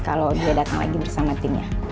kalau dia datang lagi bersama timnya